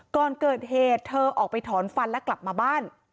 ก่อนเกิดเหตุเธอออกไปถอนฟันและกลับมาบ้าน